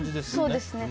そうですね。